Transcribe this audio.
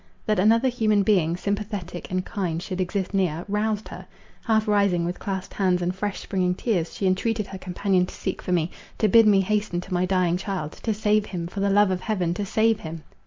That another human being, sympathetic and kind, should exist near, roused her; half rising, with clasped hands, and fresh springing tears, she entreated her companion to seek for me, to bid me hasten to my dying child, to save him, for the love of heaven, to save him!